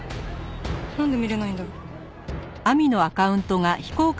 なんで見れないんだろ。